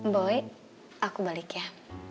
boy aku balik ya